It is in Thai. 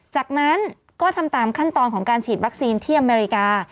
จากนั้นก็ทำตามขั้นตอนของการฉีดวัคซีนที่อเมริกา